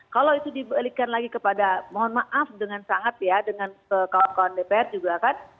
kalau itu diberikan lagi kepada mohon maaf dengan sangat ya dengan kawan kawan dpr juga kan